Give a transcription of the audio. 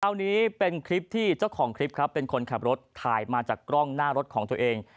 อันนี้เป็นคลิปที่เจ้าของคลิปครับเป็นคนขับรถถ่ายมาจากกล้องหน้ารถของตัวเอง